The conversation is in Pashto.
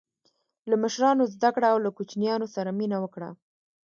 له مشرانو زده کړه او له کوچنیانو سره مینه وکړه.